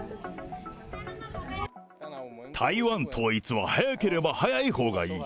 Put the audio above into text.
台湾統一は早ければ早いほうがいい。